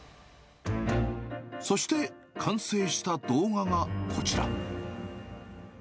そして完成した動画がこちら。